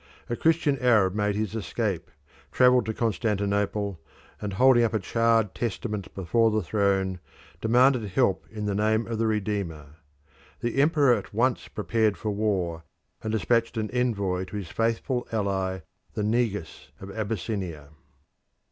A Christian Arab made his escape, travelled to Constantinople, and, holding up a charred Testament before the throne, demanded help in the name of the Redeemer. The emperor at once prepared for war, and dispatched an envoy to his faithful ally the Negus of Abyssinia.